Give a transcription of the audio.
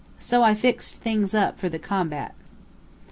So I fixed up things for the combat."